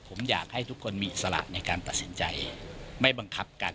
ผมอยากให้ทุกคนมีอิสระในการตัดสินใจไม่บังคับกัน